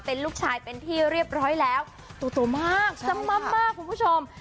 เป็นลูกชายเป็นที่เรียบร้อยแล้วตัวมากสม่ำมากคุณผู้ชม